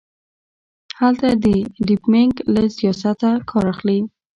هلته د ډمپینګ له سیاسته کار اخلي.